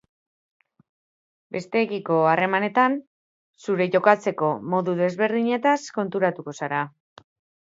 Besteekiko harremanetan, zure jokatzeko modu desberdinetaz konturatuko zara.